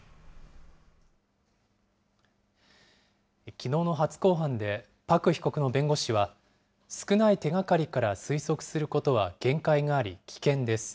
きのうの初公判で、朴被告の弁護士は、少ない手がかりから推測することは限界があり危険です。